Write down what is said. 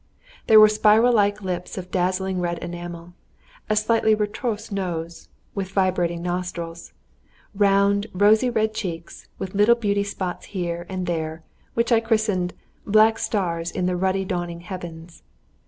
There were spiral like lips of dazzling red enamel; a slightly retroussé nose, with vibrating nostrils; round, rosy red cheeks, with little beauty spots here and there, which I christened "black stars in the ruddy dawning heavens!"